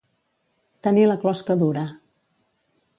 Tenir la closca dura.